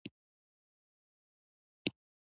کندز سیند د افغان کلتور په داستانونو کې راځي.